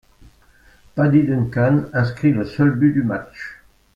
Paddy Duncan inscrit le seul but du match.